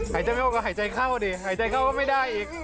หายใจไม่ออกก็หายใจเข้าดิหายใจเข้าก็ไม่ได้อีก